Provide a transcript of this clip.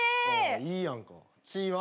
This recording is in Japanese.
いいやんか「ち」は？